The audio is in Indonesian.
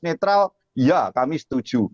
netral ya kami setuju